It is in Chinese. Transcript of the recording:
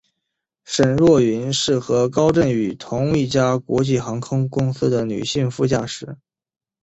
申若云是和高振宇同一家国际航空公司的女性副驾驶。